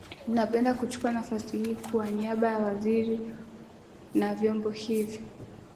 Napenda kuchukua nafasi hii kwa niaba ya Wizara na Vyombo hivi